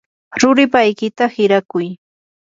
ruripaykita hirakuy.